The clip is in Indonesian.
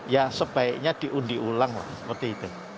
ya sebaiknya diundi ulang lah seperti itu